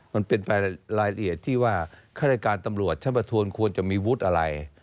มันเป็นรายละเอียดที่ว่าฆาตการตำรวจชั้นประทวนควรจะมีวุฒิอะไร